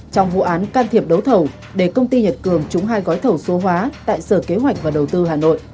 trong vụ án can thiệp đấu thầu để công ty nhật cường trúng hai gói thầu số hóa tại sở kế hoạch và đầu tư hà nội